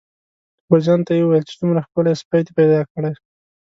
اکبرجان ته یې وویل چې څومره ښکلی سپی دې پیدا کړی.